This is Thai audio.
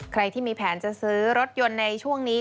ใครที่มีแผนจะซื้อรถยนต์ในช่วงนี้